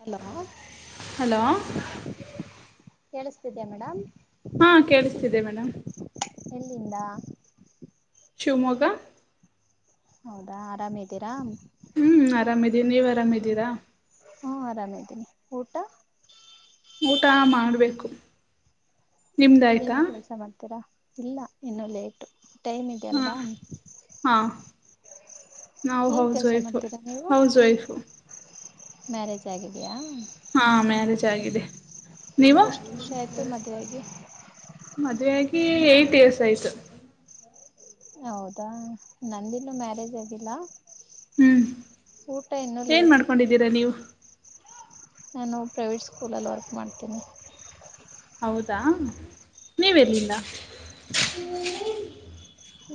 Hello hello ಕೇಳಿಸ್ತಿದ್ದ್ಯಾ madam ಹಾ ಕೇಳಿಸ್ತಿದ್ದೆ ಮೇಡಮ್ ಎಲ್ಲಿಂದ ಶಿವಮೊಗ್ಗಾ ಹೌದಾ ಆರಾಮೀದೀರಾ ಹ್ಮ್ ಆರಾಮಿದೀ ನೀವ್ ಆರಾಮಿದೀರಾ ಹು ಆರಾಮ್ದೀನಿ ಊಟಾ ಊಟಾ ಮಾಡಬೇಕು ಏನ್ ಕೆಲ್ಸ ಮಾಡ್ತೀರಾ ಇಲ್ಲಾ ಇನ್ನುೂ ಲೇಟು ಟೈಮ್ ಇದೆ ಹಾ ಅಲ್ವಾ ಹಾ ನಾವು ಹೌಸ್ ವೈಫ್ ನೀವು ಹೌಸ್ ವೈಫು ಮ್ಯಾರೇಜ್ ಆಗಿದಯಾ. ಹಾ ಮ್ಯಾರೇಜ್ ಆಗಿದೆ ನೀವು ಎಷ್ಟು ವರ್ಷ ಆಯ್ತು ಮದುವೆಯಾಗಿ ಮದುವೆ ಆ. ಈ ಇಯರ್ಸ್ ಆಯ್ತು. ಹೌದಾ ನಂದಿಲ್ಲೂ ಮ್ಯಾರೇಜ್ ಆಗಿಲ್ಲಾ. ಹ್ಮ್ ಏನ್ ಲೇಟು ಮಾಡ್ಕೊಂಡಿದ್ದೀರಾ ನೀವು. ನಾನು ಪ್ರೈವೇಟ್ ಸ್ಕೂಲಲ್ಲಿ ವರ್ಕ್ ಮಾಡ್ತೀನಿ. ಹೌದಾ ನೀವೆಲ್ಲಿಂದ.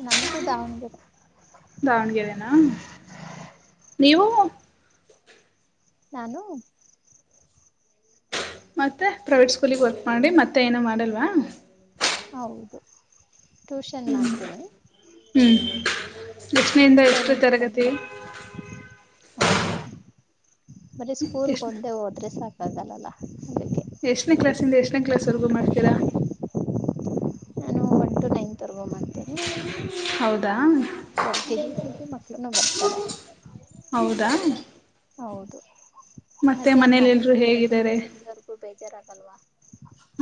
ನಮ್ದು ದಾವಣಗೆರೆ. ದಾವಣಗೆರನಾ ನೀವು. ನಾನು. ಮತ್ತೆ ಪ್ರೈವೇಟ್ ಸ್ಕೂಲಿಗೆ ವರ್ಕ್ ಮಾಡಿ ಮತ್ತೆ ಏನೋ ಮಾಡಲ್ವಾ. ಹೌದು. ಟ್ಯೂಷನ್ ಮಾಡ್ತೀನಿ. ಎಷ್ಟಿಂದ ಎಷ್ಟು ಪೇರೆಂಟ್ಸ್ ತರಗತಿ. ಬಂತ ಹೌದು. ಬರಿ ಸ್ಕೂಲ್ಗ ಎಷ್ಟು ಒಂದೆ ಹೋದ್ರೆ ಸಾಕ. ಅದಲ್ಲಲ್ಲಾ. ಎಷ್ಟನೇ ಕ್ಲಸ್ದ ಎಷ್ಟನೇ ಕ್ಲಾಸ್ ವರೆಗೂ ಮಾಡ್ತೀರಾ. ತಗೋ ಮತ. ಹೌದಾ. ಎಲ್ ಕೆ ಜಿಗೆ ಮಕ್ಕಳು ನು ಬರ್ತಾರೆ. ಹೌದಾ ಹೌದು. ಮತ್ತೆ ಮನೇಲೆಲ್ರು ಮನೇಲಿ ಬೆಳಿಗ್ಗೆಯಿಂದ ಹೇಗಿದ್ದಾರೆ ಸಂಜೆವರೆಗೂ ಬೇಜಾರಾಗಲ್ವಾ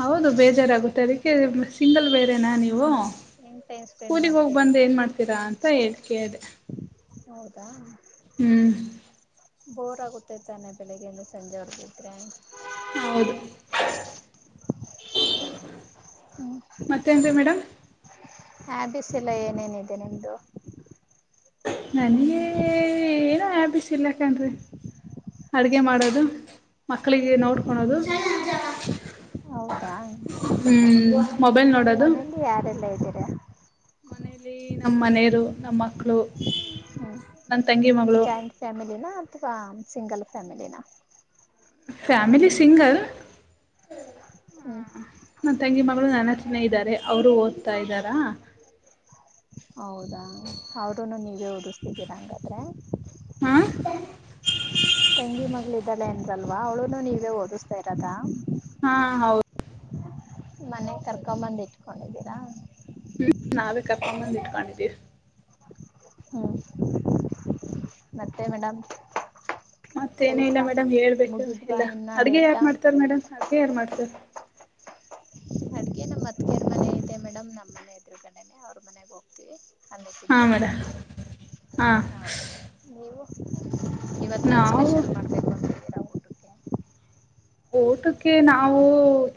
ಹೌದು ಬೇಜಾರಾಗುತ್ತಾರೆ. ಸಿಂಗಲ್ ಬೇರೆೇನಾ ನೀವು. ಹೆಂಗೆ ಟೈಮ್ ಸ್ಪೆಂಡ್ ಸ್ಕೂಲಿಗೆ ಹೋಗಿ ಮಾಡ್ತೀರಾ ಬಂದು ಏನ್ ಮಾಡ್ತೀರಾ. ತ್ತ ಹೇಳಿಕ ಇದೆ. ಹೌದಾ. ಹ್ಮ್. ಬೋರ್ ಆಗುತ್ತೆೈ ತಾನೆ ಬೆಳಿಗ್ಗೆಯಿಂದ ಸಂಜೆವರೆಗ ಇದಿದ್ದ್ರೆ. ಹೌದು. ಹ್ಮ. ಮತ್ತೇನ್ರಿ ಮೇಡಮ್ ಹಾ ಬಿಸಿಲ್ಲ ಏನೇನ ಇದೆ ನಿಮ್ದು. ನನಗ ಏನ ಹ್ಯಾಬಿಟ್ ಇಲ್ಲಕಣ್ರಿ ಅಡ್ಗೆ ಮಾಡೋದು ಮಕ್ಳಿಗೆ ನೋಡ್ಕೊಳೋದು. ಹೌದಾ ಹ್ಞೂ ಮೊಬೈಲ್ ನೋಡೋದು ಮನೇಲಿ ಯಾರೆಲ್ಲಾ ಇದ್ದೀರಾ. ಮನೇಲಿ. ನಮ್ಮ್ ಮನೆಯರು ನಮ್ಮ ಮಕ್ಕಳು ಹ್ಮ ನನ್ನ ತಂಗಿ ಮಗಳು ಜಾಯಿಂಟ್ ಫ್ಯಾಮಿಲಿಿನ ಅಥವಾ ಸಿಂಗಲ್ ಫ್ಯಾಮಿಲಿನ. Family single. ಹ್ಞೂ ನನ್ ತಂಗಿ ಮ ಅವರು ನನ ಚೆನ್ನ ಇದ್ದಾರೆ ಅವರು ಓದ್ತಾ ಇದ್ದಾರಾ ಹೌದಾ ಅವರುನು ನೀವು [unintelligible] ಹಂಗಾದ್ರೆ. ಹಾ [inaudible] ತೆಂಗಿ ಮಗಳು ಇದ್ದಾಳೆ ಅಂದ್ರಿ ಅಲ್ವಾ ಅವಳುನು ನೀವೇ ಓದಿಸ್ತಾ ಇರದಾ. ಹಾ ಹೌದು ಮನೆಗ್ ಕರ್ಕೊಂಡ್ ಬಂದು ಇಟ್ಕೊಂಡಿದ್ದೀರಾ. ಹ್ಮ್ ನಾವೇ ಕರ್ಕೊಂಬಂದು ಇಟ್ಕೊಂಡಿದ್ದೀವಿ ಹ್ಮ್ ಮತ್ತೆ ಮೇಡಮ್. ಮತ್ತೇನೇ ಕೆಲ್ಸ ಇಲ್ಲ ಮೇಡಮ್ ಹೇಳ್ಬೇಕು ಮುಗಿದ್ವಾ ಎಲ್ಲಾ ಇನ್ನ ಅಡುಗೆ ಯಾರ್ ಲೇಟಾ ಮಾಡ್ತಾರ ಮೇಡಮ್ ಅಡುಗೆ ಯಾರು ಮಾಡ್ತಾರ. [inaudible] ಹನ್ನೆದು ಹಾಂ ನಿಮಿಷ ಮೇಡಮ್ ಬರ್ತ ಹಾಂ ಹೌದ ನೀವು. [inaudible] ನಾವು. ಸ್ಪೆಷಲ್ ಮಾಡ್ಬೇಕು ಅಂತಿದ್ದೀರಾ ಊಟಕ್ಕೆ ಓಟಕ್ಕೆ ನಾವು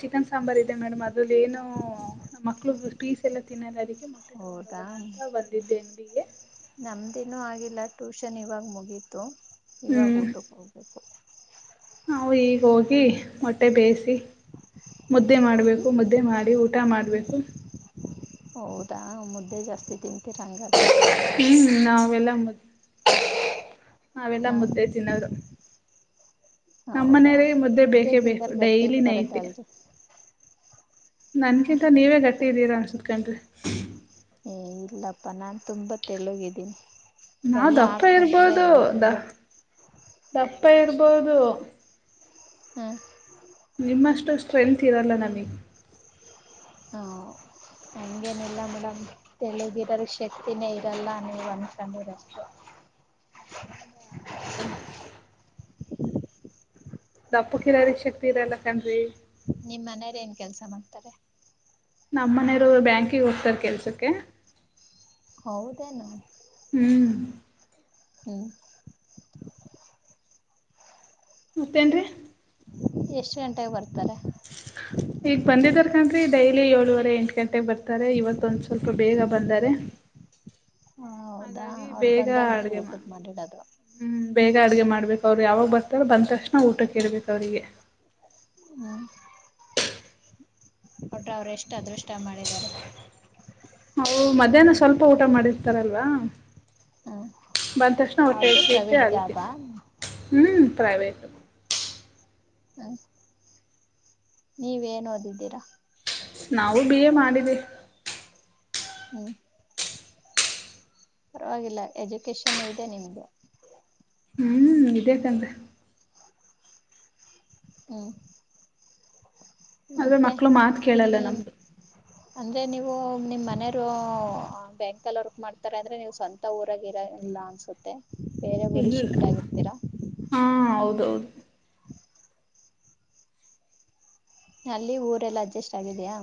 ಚಿಕನ್ ಸಾಂಬಾರ್ ಇದೆ ಮೇಡಮ್ ಅದಲ್ಲಿ ಏನು ಮಕ್ಳು ಪೀಸ್ ಎಲ್ಲ ತಿನ್ನಲ್ಲ ಅದಕ್ಕೆ ಮೊಟ್ಟೆ ತಗೊಂಡ ಹೋಗಣ ಅಂತ ಬಂದಿದ್ದೇನೆ. [inaudible] ನಮ್ ಏನು ಆಗಿಲ್ಲ ಟ್ಯೂಷನ್ ಇವಾಗ ಮುಗೀತು. ಹ್ಞೂ ಯವಾಗುಟುಕಬೇಕೇಕು. ನಾವು ಈಗ ಹೋಗಿ ಮೊಟ್ಟೆ ಬೇಯಿಸಿ ಮುದ್ದೆ ಮಾಡ್ಬೇಕು ಮುದ್ದೆ ಮಾಡಿ ಊಟ ಮಾಡ್ಬೇಕು. ಹೌದಾ ಮುದ್ದೆ ಜಾಸ್ತಿ ತಿಂದು ತ್ತರಂಗಾದ್ರೆ. ಎಲ್ಲಮ್ಮ. [inaudible] ಅವೆಲ್ಲ ಹಾಂ ಮುದ್ದೇತನ ಅವ್ರು. ಹೌದಾ ನಮ್ಮನೆಯವರೆ ಮುದ್ದೆ ಬೇಕೇ ಬೇಕು ತಿಂದರ್ ಗಟ್ಟಿ ಡೈಲಿ ಇರ್ತಾರೆ ನೈಟಿ. ತಾಳ್ರಿ ನನ್ಕಿಂತ ನೀವೇ ಗಟ್ಟಿ ಇದ್ದೀರಾ ಅನ್ಸುತ್ತೆ. ಏ ಇಲ್ಲಪ್ಪಾ ನಾನ್ ತುಂಬಾ ತೆಳ್ಳಗಿದ್ದೀನಿ. ನಾವ್ ಎಲ್ಲ ದಪ್ಪ ಆಡ್ಕೊತಾರೆ ಇರ್ಬೋದು ನಾನು ದ ತುಂಬ ದಪ್ಪ ಇರ್ಬೋದು. ಹ್ಮ್ ನಿಮ್ಮಷ್ಟು ಸ್ಟ್ರೆಂತ್ ಇರಲ್ಲ ನನಗೆ. ಹಾಂ ಹಂಗೇನಿಲ್ಲ ಮೇಡಮ್ ತಳ್ಳಗಿರೋರ್ಗ್ ಶಕ್ತಿನೇ ಇರಲ್ಲ ನೀವ್ ಅಂದಕಂಡೀರಷ್ಟೆ. [inaudible] ದಪ್ಪಕ್ಕಿರೋರ್ಗ್ ಶಕ್ತಿ ಇರಲ್ಲ ಕಣ್ರಿ. ನಿಮ್ಮನೆಯೊರೇನ್ ಕೆಲ್ಸ ಮಾಡ್ತಾರೆ? ನಮ್ಮನೆಯವರು ಬ್ಯಾಂಕಿಗೆ ಹೋಗ್ತಾರೆ ಕೆಲ್ಸಕ್ಕೆ. ಹೌದೇನು? ಹ್ಮ್ ಹ್ಮ್ ಮತ್ತೇನ್ರೀ? ಎಷ್ಟು ಗಂಟೆಗೆ ಬರ್ತಾರೆ? ಈಗ ಬಂದಿದಾರ್ಕಣ್ರಿ ಡೈಲಿ ಏಳೂವರೆ ಎಂಟು ಗಂಟೆಗ್ ಬರ್ತಾರೆ ಇವತ್ತೊಂದ್ ಸ್ವಲ್ಪ ಬೇಗ ಬಂದಾರೆ. ಹ ಹೌದಾ ಹಾಗಾಗಿ ಅವ್ರು ಬೇಗ ಬಂದಾಗ ನೀವು ಅಡ್ಗೆ ಮಾಡ್ ಊಟಕ್ಕೆ ಮಾಡಿಡೋದು ಹ್ಮ ಬೇಗ ಅಡ್ಗೆ ಮಾಡ ಅದಕ್ಕವ್ರ್ ಯಾವಾಗ್ ಬರ್ತಾರೊ ಬಂದ ತಕ್ಷಣ ಊಟಕ್ಕಿಡ್ಬೇಕವ್ರಿಗೆ. ಹ್ಞೂ ಒಟ್ರಾ ಅವ್ರು ಎಷ್ಟು ಅದೃಷ್ಟ ಮಾಡಿದ್ದಾರೆ. ಒ ಮಧ್ಯಾಹ್ನ ಸ್ವಲ್ಪ ಊಟ ಮಾಡಿರ್ತಾರಲ್ವ. ಹ್ಞೂ ಬಂದ್ತಕ್ಷಣ ಹೊಟ್ಟೇ ಅವ್ರದ್ದು ಹಸಿವಿರತ್ತೆ ಪ್ರೈವೇಟ್ ಅದ್ಕೆ ಜಾಬಾ ಹ್ಮ್. ಪ್ರವೇಟು. ಹ್ಮ ನೀವೇನೋದಿದ್ದೀರಾ? ನಾವು ಬಿ ಎ ಮಾಡಿದ್ದಿವಿ. ಹ್ಮ ಪರವಾಗಿಲ್ಲ ಎಜುಕೇಶನ್ ಇದೆ ನಿಮ್ಗೆ. ಹ್ಮ್ ಇದೇಕಣ್ರಿ. ಹ್ಮ ಆದ್ರೆ ಮಕ್ಳು ಮಾತ್ ಕೇಳಲ್ಲ ಇಲ್ಲಿ ನಮ್ದು. ಅಂದರೆ ನೀವು ನಿಮ್ಮನೇರು ಬ್ಯಾಂಕಲ್ಲಿ ವರ್ಕ್ ಮಾಡ್ತಾರೆ ಅಂದರೆ ನೀವು ಸ್ವಂತ ಊರಾಗಿ ಇರೋ ಇಲ್ಲ ಅನಿಸುತ್ತೆ. ಬೇರೆ ಇಲ್ಲ ಊರಿಗೆ ಶಿಫ್ಟ್ ಆಗಿರ್ತೀರಾ ಹಾ ಹೌದು ಹೌದು ಅಲ್ಲಿ ಊರೆಲ್ಲಾ ಅಡ್ಜಸ್ಟ್ ಆಗಿದಿಯಾ?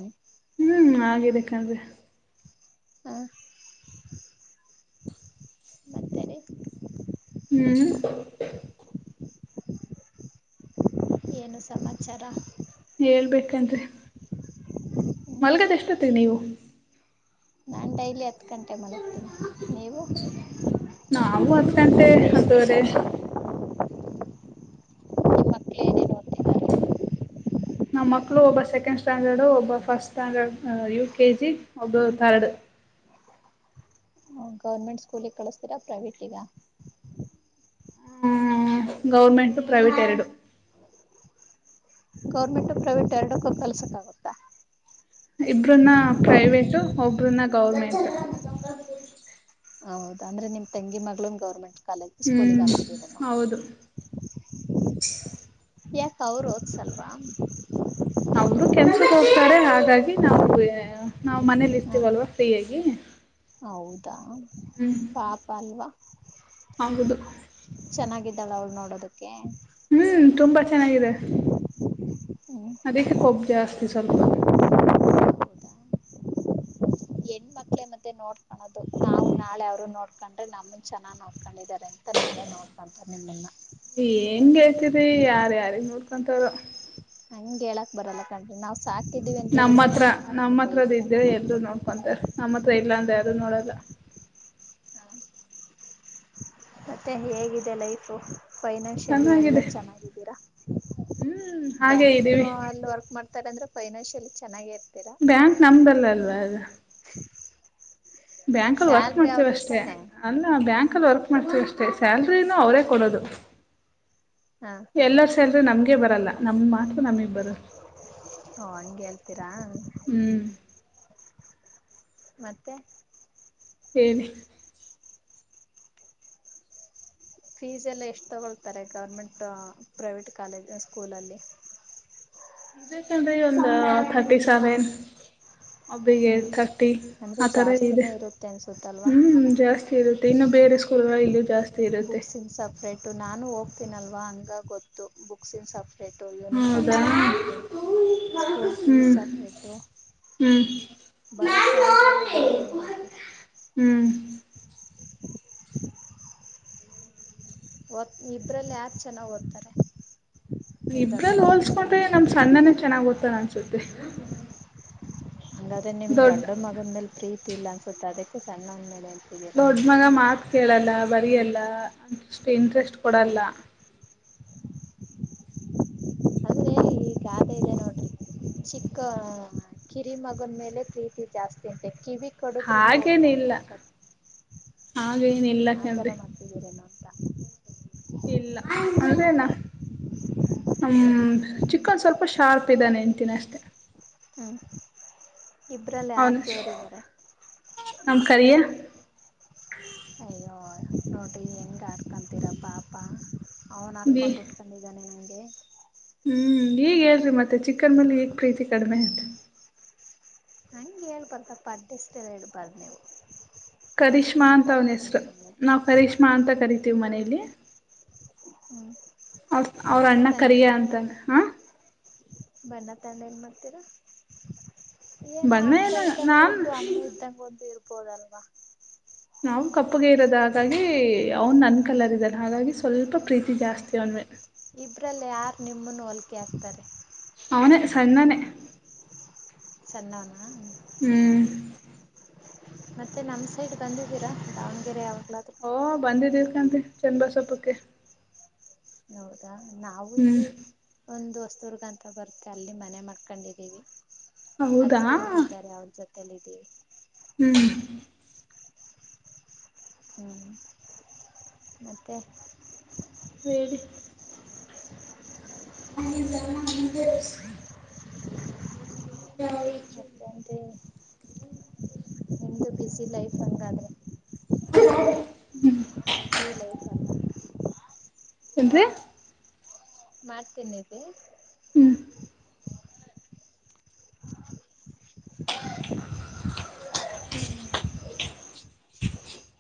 ಹ್ಮ್ ಹಾಗಿದೆಕಣ್ರಿ. ಹಾ ಮತ್ತೆ ರೀ ಹ್ಮ್ ಏನು ಸಮಾಚಾರ? ಹೇಳ್ಬೇಕಣ್ರಿ ಹ್ಞೂ ಮಲ್ಗದ್ ಎಷ್ಟೊತ್ತಿಗ್ ನೀವು? ನಾನು ಡೈಲಿ ಹತ್ತು ಗಂಟೆ ಮಲಗ್ತೀನಿ ನೀವು [inaudible] ನಾವು ಹತ್ತು ಗಂಟೆ ಹತ್ತುವರೆ ಮಕಳು ಏನ್ ಏನ್ ಒ ನಮ್ಮ ಮಕ್ಕಳು ಒಬ್ಬ ಸೆಕೆಂಡ್ ಸ್ಟಾಂಡರ್ಡು ಒಬ್ಬ first standard U K G ಒಬ್ಬಳು ಹ್ಞೂ ತರ್ಡ್ ಗೌರ್ಮೆಂಟ್ ಸ್ಕೂಲಿಗೆ ಕಳಿಸ್ತೀರಾ ಅಥವಾ ಪ್ರೈವೇಟ್ಗ. ಗೌರ್ಮೆಂಟ್ ಟು ಪ್ರೈವೇಟ್ ಎರಡು. ಗೌರ್ಮೆಂಟ್ ಪ್ರೈವೇಟ್ ಎರಡಕ್ಕೂ ಕಲ್ಸಕ್ ಆಗುತ್ತಾ. ಇಬ್ರನ್ನ ಪ್ರೈವೇಟ ಒಬ್ರನ್ನ. ಗೌರ್ಮೆಂಟ್ ಹೌದ ಅಂದ್ರೆ ನಿಮ್ ತೆಂಗಿ ಮಗಳನ್ ಗೌರ್ಮೆಂಟ್. ಕಾಲೇಜ ಸ್ಕೂಲಿಗೆ ಹ್ಮ್ ಹಾಕಿದ್ದೀನೆ ನಾ ಹೌದು ಯ. ಅವ್ರು ಓದ್ಸಲ್ವಾ ಅವರು ಕೆನ್ಸಕ್ಕೆ ಹೋಗ್ತಾರೆ ಹಾಗಾಗಿ ನಾವು. ನಾವು ಮನೇಲಿ ಇರ್ತೀವಲ್ವಾ ಫ್ರೀಯಾಗಿ. ಹೌದು ಹೌದ ಹ್ಮ್ ಪಾಪ ಅಲ್ವಾ ಹೌದು ಚೆನ್ನ ದಳ ಅವಳ ನೋಡೋದಿಕ್ಕೆ ಹ್ಮ್ ತುಂಬಾ ಚೆನ್ನಾಗಿದೆ ಹ್ಮ್ ಅದಕ್ಕೆ ಕೊಬ್ಬು ಜಾಸ್ತಿ ಸ್ವಲ್ಪ. ತ್ತ ಹೆಣ್ಮಕ್ಳೇ ಮತ್ತೆ ನೋಡ್ಕೊನದು ನಾವು ನಾಳೆ ಅವರು ನೋಡ್ಕೊಂಡ್ರೆ ನಮ್ಮನ್ ಚೆನ್ನಗ್ ನೋಡ್ಕೊಂಡಿದಿದ್ದಾರೆ ಅಂತ ನಾಳೆ ನೋಡ್ಕೊಂತಾರೆ ನಿಮ್ಮನ್ನ. ಹೆಂಗೆ ಹೇಳ್ತರಿ ಯಾರ ಯಾರ ನೋಡ್ ನಂತರ ಹಂಗ ಹೇಳಕ್ ಬರಲ್ಲ ಕನ್ರಿ ನಾವು. ನಮ್ಮ ಹತ್ರ ನಮ್ಮ ಹತ್ರದ ಬಿಡಲ್ಲ ಇದ್ರೆ ಮಕ್ಕಳು ಎಲ್ಲರು ನೋಡ್ಕೊಂತಾರೆ ನಮ್ಮ ಹತ್ರ. ಇಲ್ಲಾ ಅಂದ್ರೆ ಯಾರು ನೋಡಲ್ಲ. ಮತ್ತೆ ಹೇಗಿದೆ ಲೈಫು. ಫೈನಾನ್ಷಿಯಲಿ ಎಲ್ಲ ಚೆನ್ನಾಗಿದೆ ಚೆನ್ನಾಗಿದ್ದೀರಾ ಹ್ಮ್ ಹಾಗೆ ಬ್ಯಾಂಕ್ ಇದ್ದೀವಿ ಅಲ್ಲಿ ವರ್ಕ್ ಮಾಡ ರಂದ್ರೆ ಫೈನನ್ಷಿಯಲಿ ಚೆನ್ನಾಗಿ ಬ್ಯಾಂಕ್ ನಂಬಲ್ ಅಲ್ವಾ ಅದು. ಬ್ಯಾಂಕಲ್ಲಿ ವರ್ಕ್ ಸ್ಯಾಲ್ರಿ ಮಾಡ್ತೇವ ಅವ್ರ್ದೇ ಅಷ್ಟೇ ತಾನೆ ಅಲ್ಲ ಬ್ಯಾಂಕ್. ವರ್ಕ್ ಮಾಡ್ತವಿ ಅಷ್ಟೆ ಸ್ಯಾಲ್ರಿನೂ ಅವ್ರೇ ಕೊಡೋದು ಹಾ ಎಲ್ಲರ ಸಲ್. ತ್ತೆ ನಮ್ಗೆ ಬರಲ್ಲ. ನಮ್ ಮಾತ್ರ ನಮಿಬ್ಬರು. ತಿರಾ? ಹ್ಮ್ ಮತ್ತೆ ಹೇಳಿ. ಫೀಸ್ ಎಲ್ಲ ಎಷ್ಟ್ ತಗೊಳ್ತಾರೆ ಗೌರ್ಮೆಂಟ್ ಪ್ರೈವೇಟ್ ಕಾಲೇಜ್ ಸ್ಕೂಲಲ್ಲಿ. ಇದಕಣ್ರಿ ಒಂದು ಥರ್ಟಿ ಸೆವೆನ್. ಒಬ್ಬಿಗೆ ಹ್ಮ್ ತಟ್ಟಿ ಅಂದ್ರೆ ಆ ತರ ಇದೆ ಜಾಸ್ತಿನೇ ಇರುತ್ತೆ ಅನ್ಸುತ್ತಲ್ವಾ ಹ್ಮ್ ಜಾಸ್ತಿ ಇರುತ್ತೆ ಇನ್ನು ಬೇರೆ ಸ್ ತಿರ್ಗಾ ಇಲ್ಲೂ ಜಾಸ್ತಿ ಇರುತ್ತೆ ಬುಕ್ಸಿಂದ್ ಸಪ್ರೇಟು ನಾನು ಹೋ ತಿನಲ್ವ ಹಂಗಾಗ್ ಗೊತ್ತು ಬುಕ್ಸಿನ ಸಪ್ ಪ್ರೇಟು ಯೂನಿಫಾರ್ಮ್ ಹೌದಾ ಸಪ್ರೇಟು ಸ್ಕೂಲ್ ಹ್ಞೂ ಫೀಸ್ ಸಪ್ರೇಟು ಹ್ಞೂ ಬರೋ ಸ್ಯಾಲ್ರಿ ಎಲ್ಲ ಅಲ್ಲೆ ಹೋಗುತ್ತೆ. ಹ್ಮ್ [inaudible] ಒದಾ ಇಬ್ರಲ್ಲಿ ಯಾಚ್ ದೊಡ್ಡ ಇಬ್ರಲ್ಲಿ ಮಗನ ಸಣ್ಣ ಹೋಲ್ಸ್ಕೊಂಡ್ರೆ ನಮ್ ಮಗನ ಸಣ್ಣೊನೇ ಚೆನ್ನಾಗ್ ಓದ್ ತ್ತಾನೆ ಅನ್ಸುತ್ತೆ. ಅಂಗಾದ್ರೆ ನಿಮ್ ದೊಡ್ಡ ಮಗನ್ಮೇಲ್ ಪ್ರೀ ತಿ ಇಲ್ಲ ಅನ್ಸುತ್ತೆ ಅದಕ್ಕೆ ಸಣ್ಣವನ್ಮೇಲೆ ದೊಡ್ಡ್ಮಗ ಮಾತ್ ಕೇಳಲ್ಲ ಬರಿಯಲ್ಲ. [inaudible] ತ್ತೆ ಇಂಟ್ರೆಸ್ಟ್ ಹ ಕೊಡಲ್ಲ. ಅಂದ್ರೆ ಈ ಗಾದೆ ಇದೆ ನೋಡ್ರಿ ಚಿಕ್ಕ ಕಿರಿಮಗನ್ ಮೇಲೆ ಪ್ರೀತಿ ಜಾಸ್ತಿ ಅಂತೆ ಕಿವಿ ಕಡದ್ರುನು ಹೋಗ್ಲಂತ ಹಾಗೇನಿಲ್ಲ ಅಂತದ್ ಹಾಗೇನಿಲ್ಲ ಆತರ ಕಣ್ರಿ ಮಾಡ್ತಿದ್ದೀರೇನೋ ಅಂತ ಇಲ್ಲ ಅಂದ್ರೇನ ನಮ್ ಹ್ಮ್ ಚಿಕ್ಕೋನ್ ಸ್ವಲ್ಪ ಶಾರ್ಪ್ ಇದ್ದಾನೆ ಅಂತೀನಷ್ಟೆ. ಹ್ಮ ಇಬ್ರಲ್ಲ್ ಯಾರು ಜೋರಿದಾರೆ? ನಮ್ಮ್ ಕರಿಯ. ಅಯ್ಯೋ ನೋಡ್ರಿ ಹೆಂಗಾಡ್ಕೊಂತಿರ ಪಾಪ. ಬಿ ಅವ್ನಾಕೊಂಡ್ ಉಟ್ಕೊಂಡಿದ್ದಾನೆ ಹಂಗೆ ಹ್ಮ್ ಈಗೇಳ್ರಿ ಮತ್ತೆ ಚಿಕ್ಕೊನ್ ಮೇಲೆ ಈಗ್ ಪ್ರೀತಿ ಕಡಿಮೆ ಅಂತ. ಹಂಗೆ ಹೇಳ್ಬಾರ್ದಪ ಅಡ್ಡೆಸರ್ ಹೇಳ್ಬಾರ್ದು ನೀವು. ಕರಿಶ್ಮಾ ಅಂತ ಬಣ್ಣ ಅವ್ನ ತಂಡ ಹೆಸರು ಏನ್ ಮಾಡೋದು ನಾವು ಕರಿಶ್ಮಾ ಅಂತ ಕರಿತೀವಿ ಮನೆಲಿ. ಹ್ಮ್ [inaudible] ಅವ ಅವ್ರ ಬಣ್ಣ ಅಣ್ಣ ತಂಡ ಕರಿಯ ಏನ್ ಅಂತಂದ ಮಾಡ್ತೀರಾ ಹಾ. ಬಣ್ಣ ತಂದ್ ಏನ್ ಮಾಡ್ತೀರಾ. ಏನು ಬಣ್ಣ ಅಪ್ಪ ಏನ ಇದ್ದಂಗ ನಾನ್ ಒಂದು ಅಮ್ಮ ಇದ್ದಂಗ ಒಂದು ಇರ್ ಕೊಡಲ್ವಾ ನಾವು ಕಪ್ಪುಗೆ ಇರೋದ ಹಾಗಾಗಿ ಅವನ್ ನನ್ ಕಲ್ಲರ್ದಲ್ಲ ಹಾಗಾಗಿ ಸ್ವಲ್ಪ ಪ್ರೀತಿ ಜಾಸ್ತಿ ಅವನ್ಮೇ ಇದರಲ್ಲಿ ಯಾರು ನಿಮ್ಮನ್ನು ಹೊಲಿಕೆ ಹಾಕ್ತಾರೆ. ಅವನ ಸನ್ನಾನೆ ಸಣ್ಣವನು ಮತ್ತೆ ನಮ್ಮ್ ಸೈಡ್ ಬಂದಿದ್ದೀರಾ ದಾವಣಗೆರೆ ಅವ ಓ ಬಂದಿದ್ದೀ ಚೆಂದಬಸಪಕ್ಕೆ. ಹೌದು. ನಾವು ಇಲ್ಲಿ ಒಂದು ವ ದುರ್ಗ ಅಂತ ಬರುತ್ತೆ ಅಲ್ಲಿ ಮನೆ ಮಾಡ್ಕೊಂಡಿದ್ದೀವಿ. ಹೌದಾ ಅತ್ಕೆೇವರು ಇದ್ದಾರೆ ಅವ್ರ ಜೊತೆ. ತಲ್ಲಿದಿವಿ. ಹ್ಮ್ ಹ್ಮ್ ಮತ್ತೆ ಹೇಳಿ ಹ [unintelligible] ನಿಮ್ದು ಬಿಸಿ ಲೈಫ್ ಹಂಗಾದ್ರೆ. [inaudible] ಹ್ಮ್ [unintelligible] ಎನ್ರಿ ಮಾಡ್ತೀನಿರಿ ಹ್ಮ್ [inaudible]